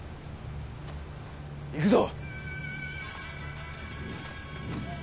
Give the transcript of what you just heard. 行くぞ！